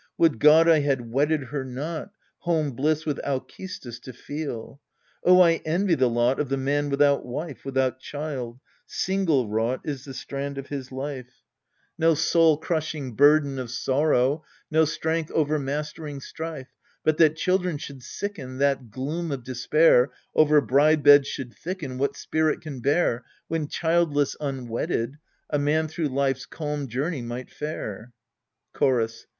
Would God I had wedded her not, home bliss with Alces tis to feel ! Oh, I envy the lot Of the man without wife, Without child ; single wrought Is the strand of his life : 228 EURIl'li No soul crushing burden of sorrow, no strength over mastering strife. But that children should sicken, That gloom of despair Over bride beds should thicken, What spirit can bear, When childless, unwedded, a man through life's calm journey might fare? Chorus.